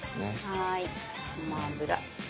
はいごま油。